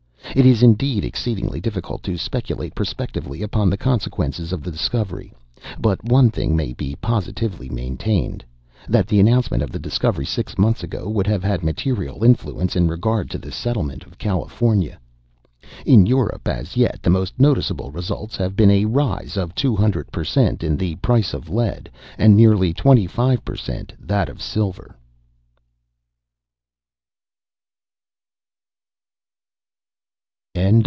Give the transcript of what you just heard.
It is, indeed, exceedingly difficult to speculate prospectively upon the consequences of the discovery, but one thing may be positively maintained—that the announcement of the discovery six months ago would have had material influence in regard to the settlement of California. In Europe, as yet, the most noticeable results have been a rise of two hundred per cent. in the price of lead, and nearly twenty five per cent. that of silver.